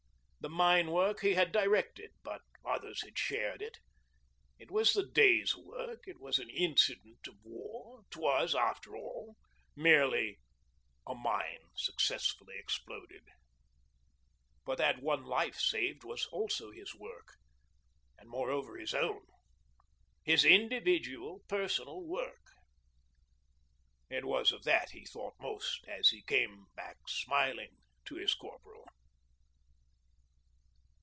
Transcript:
The mine work he had directed, but others had shared it. It was the day's work it was an incident of war it was, after all, merely 'a mine successfully exploded ...' But that one life saved was also his work, and, moreover, his own, his individual personal work. It was of that he thought most as he came back smiling to his Corporal.